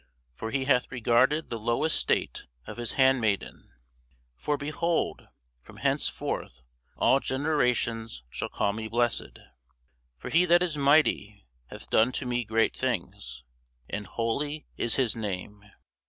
For he hath regarded the low estate of his handmaiden: For, behold, from henceforth all generations shall call me blessed. For he that is mighty hath done to me great things; And holy is his name.